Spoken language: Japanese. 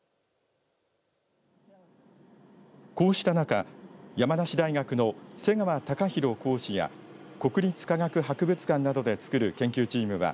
こうした中、山梨大学の瀬川高弘講師や国立科学博物館などで作る研究チームは